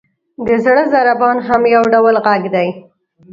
• د زړه ضربان هم یو ډول ږغ دی.